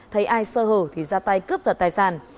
thấy ai sơ hở thì ra tay cướp giật tài sản